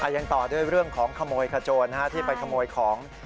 ยังต่อด้วยเรื่องของขโมยขโจรที่ไปขโมยของ